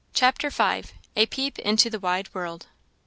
CHAPTER V. A peep into the Wide World.